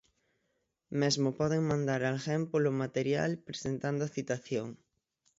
Mesmo poden mandar alguén polo material presentando a citación.